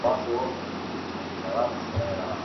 ایا د انارګل ژوند به د دې واده سره بدل شي؟